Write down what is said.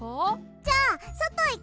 じゃあそといく！